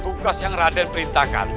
tugas yang raden perintahkan